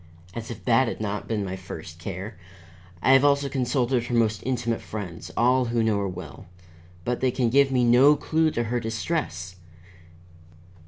As if that had not been my first care! I have also consulted her most intimate friends, all who know her well, but they can give me no clue to her distress.